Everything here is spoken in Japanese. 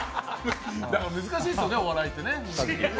だから、難しいっすよね、お笑いってね。